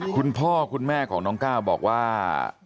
คุณพ่อคุณแม่ของน้องก้าวบอกว่า